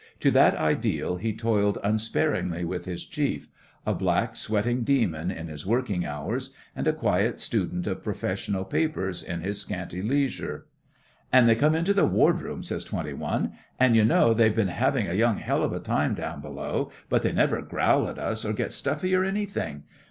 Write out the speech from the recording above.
To that ideal he toiled unsparingly with his Chief—a black sweating demon in his working hours, and a quiet student of professional papers in his scanty leisure. 'An' they come into the ward room,' says Twenty One, 'and you know they've been having a young hell of a time down below, but they never growl at us or get stuffy or anything.